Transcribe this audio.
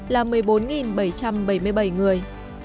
là một mươi bốn bảy trăm bảy mươi bảy người